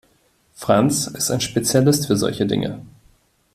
Franz ist ein Spezialist für solche Dinge.